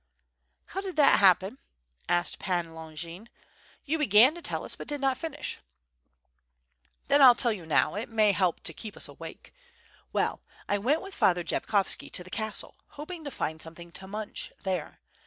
"How did that happen?" asked Pan Longin, "you began to tell us, but did not finish." "Then Fll tell you now; it may help to keep us awake. Well, I went with Father Jabkovski to the castle, hoping to find something to munch there.